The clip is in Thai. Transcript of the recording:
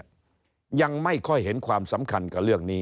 ยังไม่ค่อยเห็นความสำคัญกับเรื่องนี้